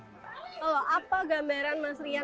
kalau apa gambaran mas rian